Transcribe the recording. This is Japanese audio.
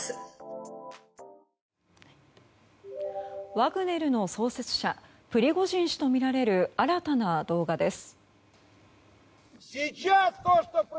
ワグネルの創設者プリゴジン氏とみられる新たな動画です。